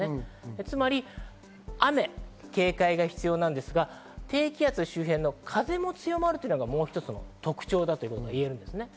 つまり雨、警戒が必要なんですが、低気圧周辺の風も強まるというのがもう一つの特徴だといえます。